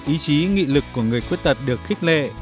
ý chí nghị lực của người khuyết tật được khích lệ